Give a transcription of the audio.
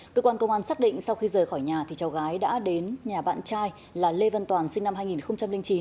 cơ quan công an xác định sau khi rời khỏi nhà thì cháu gái đã đến nhà bạn trai là lê vân toàn sinh năm hai nghìn chín